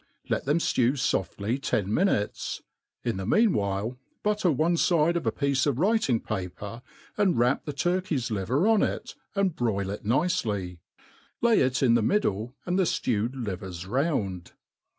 Let them ftew foftly ten minutes; in the mean while butter one fide of a piece of writing paper, and wrap the turkey's Kver on it, and broil it nicely, lay it in the middle, and the ftewed livers round.